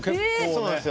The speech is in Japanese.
そうなんですよ。